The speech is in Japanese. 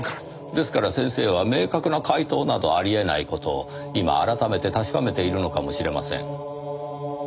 ですから先生は明確な解答などありえない事を今改めて確かめているのかもしれません。